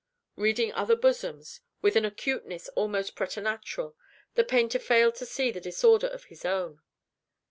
Reading other bosoms, with an acuteness almost preternatural, the painter failed to see the disorder of his own.